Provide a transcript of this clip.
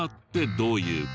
どういう事？